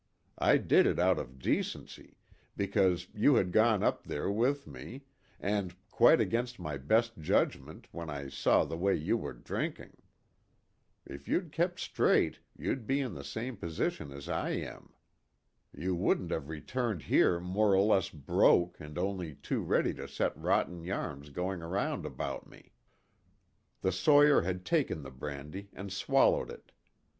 I did it out of decency, because you had gone up there with me, and quite against my best judgment when I saw the way you were drinking. If you'd kept straight you'd be in the same position as I am. You wouldn't have returned here more or less broke and only too ready to set rotten yarns going around about me." The sawyer had taken the brandy and swallowed it.